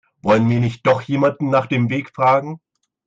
Wollen wir nicht doch jemanden nach dem Weg fragen?